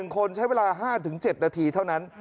๑คนใช้เวลา๕๗นาทีเท่านั้น